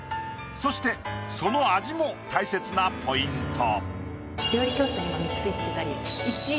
そしてその味も大切なポイント。